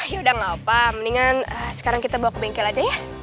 yaudah gak apa mendingan sekarang kita bawa ke bengkel aja ya